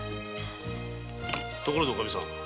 ところでおかみさん。